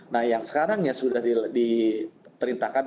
nah yang sekarang ya sudah diperintahkan